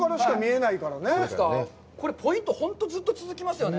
どうですか、これ、ポイント、本当にずっと続きますよね。